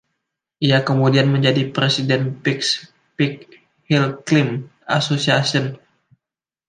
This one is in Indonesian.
Ia kemudian menjadi presiden Pieks Peak Hillclimb Association.